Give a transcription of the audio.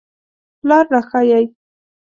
لار را ښایئ